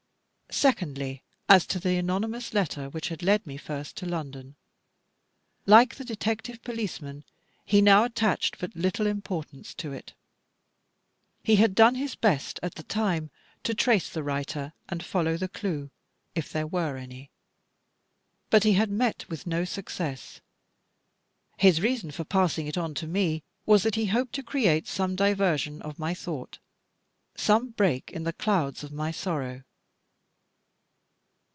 Secondly, as to the anonymous letter which had led me first to London; like the detective policeman, he now attached but little importance to it. He had done his best, at the time, to trace the writer and follow the clue, if there were any. But he had met with no success. His reason for passing it on to me, was that he hoped to create some diversion of my thought, some break in the clouds of my sorrow.